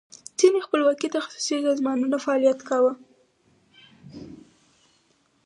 ځینې خپلواکي تخصصي سازمانونو فعالیت کاو.